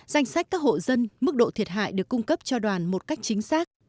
danh sách các hộ dân mức độ thiệt hại được cung cấp cho đoàn một cách chính xác